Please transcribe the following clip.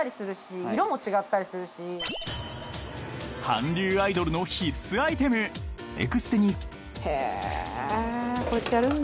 ［韓流アイドルの必須アイテムエクステに］